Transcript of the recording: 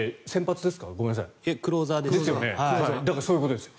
先発です。